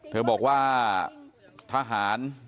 เธอบอกว่าทหาร